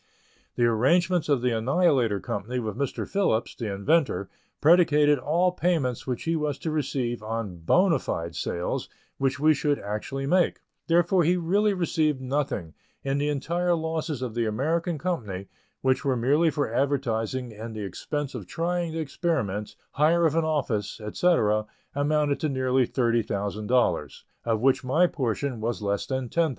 The arrangements of the Annihilator Company with Mr. Phillips, the inventor, predicated all payments which he was to receive on bona fide sales which we should actually make; therefore he really received nothing, and the entire losses of the American Company, which were merely for advertising and the expense of trying the experiments, hire of an office, etc., amounted to nearly $30,000, of which my portion was less than $10,000.